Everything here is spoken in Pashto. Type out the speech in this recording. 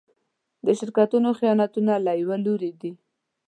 د شرکتونو خیانتونه له يوه لوري دي.